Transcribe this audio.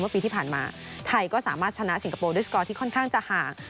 ปีที่ผ่านมาไทยก็สามารถชนะสิงคโปร์ด้วยสกอร์ที่ค่อนข้างจะห่าง